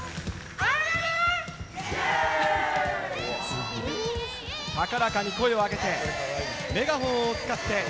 アユーレディー！？高らかに声を上げて、メガホンを使って。